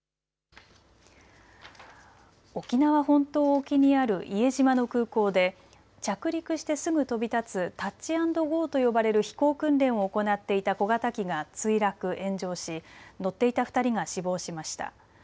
沖縄本島沖にある伊江島の空港で着陸してすぐ飛び立つタッチアンドゴーと呼ばれる飛行訓練を行っていた小型機が墜落、炎上し乗っていた２人が死亡しました。